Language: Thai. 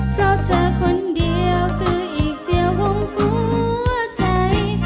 เพราะเธอคนเดียวคืออีกเสียของหัวใจ